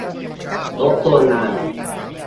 ยกตัวอย่าง